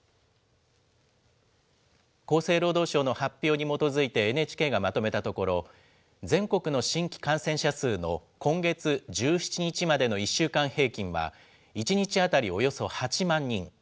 厚生労働省の発表に基づいてＮＨＫがまとめたところ、全国の新規感染者数の今月１７日までの１週間平均は、１日当たりおよそ８万人。